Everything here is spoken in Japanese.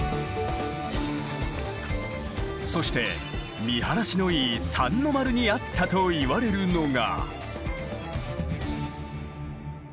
そして見晴らしのいい三ノ丸にあったと言われるのが。